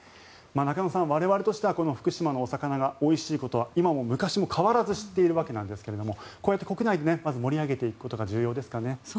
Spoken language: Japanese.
中野さん、我々としては福島のお魚がおいしいことは今も昔も変わらず知っているわけなんですがこうやって国内でまず盛り上げていくことが重要ですかね。